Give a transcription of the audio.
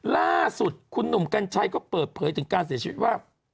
ล่าสุดคุณหนุ่มกัญชัยก็เปิดเผยถึงการเสียชีวิตว่า